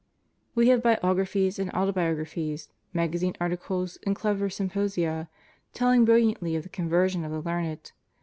We have biographies and autobiographies, magazine articles and clever symposia telling brilliantly of the conversion of the learned.